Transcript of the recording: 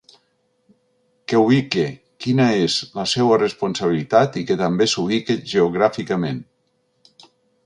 Que ubique quina és la seua responsabilitat i que també s’ubique geogràficament.